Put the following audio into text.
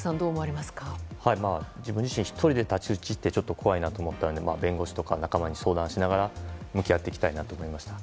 自分自身１人で太刀打ちとなると怖いなと思ったので弁護士とか仲間に相談しながら向き合っていきたいなと思いました。